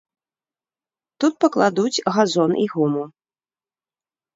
Тут пакладуць газон і гуму.